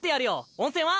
温泉は？